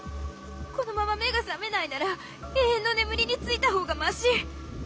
このまま目が覚めないなら永遠の眠りについた方がまし。